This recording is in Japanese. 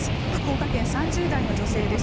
福岡県、３０代の女性です。